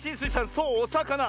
そうおさかな。